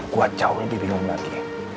kuat jauh lebih bingung lagi